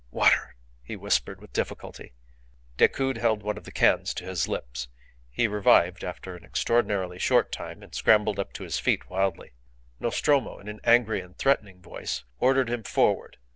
"Water," he whispered, with difficulty. Decoud held one of the cans to his lips. He revived after an extraordinarily short time, and scrambled up to his feet wildly. Nostromo, in an angry and threatening voice, ordered him forward.